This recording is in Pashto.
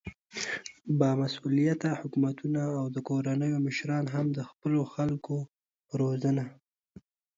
با مسؤليته حکومتونه او د کورنيو مشران هم د خپلو خلکو په روزنه